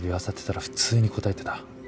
漁ってたら普通に答えてた。